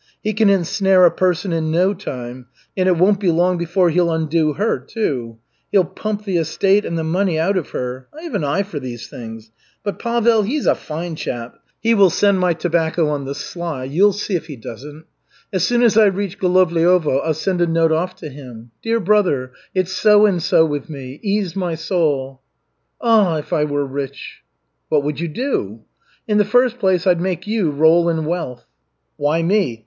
He can ensnare a person in no time, and it won't be long before he'll undo her, too. He'll pump the estate and the money out of her. I have an eye for these things. But Pavel, he's a fine chap. He will send my tobacco on the sly. You'll see if he doesn't. As soon as I reach Golovliovo, I'll send a note off to him: 'Dear brother, it's so and so with me. Ease my soul.' Ah, if I were rich!" "What would you do?" "In the first place, I'd make you roll in wealth." "Why me?